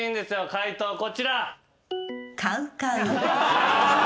解答こちら。